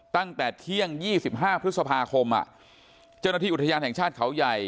ตั้งแต่เที่ยง๒๕พฤษภาคมเจ้าหน้าที่อุทยานแห่งชาติเขาใหญ่